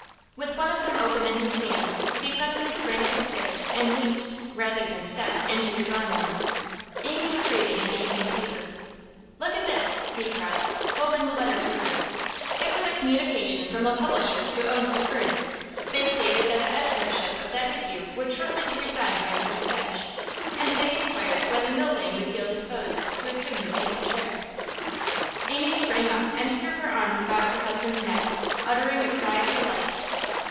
With one of them open in his hand, he suddenly sprang up the stairs and leaped, rather than stepped, into the drawing room. Amy was reading an evening paper. 'Look at this!' he cried, holding the letter to her. It was a communication from the publishers who owned The Current; they stated that the editorship of that review would shortly be resigned by Mr Fadge, and they inquired whether Milvain would feel disposed to assume the vacant chair. Amy sprang up and threw her arms about her husband's neck, uttering a cry of delight.